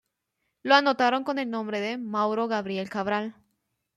Lo anotaron con el nombre de Mauro Gabriel Cabral.